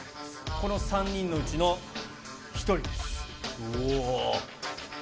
この３人のうちの１人です。